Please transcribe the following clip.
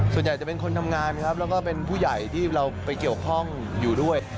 ส่วนใหญ่จะเป็นคนทำงานครับแล้วก็เป็นผู้ใหญ่ที่เราไปเกี่ยวข้องอยู่ด้วย